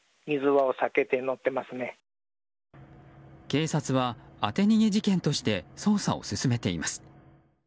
警察は当て逃げ事件として捜査を進めています。